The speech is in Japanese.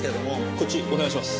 こっちお願いします。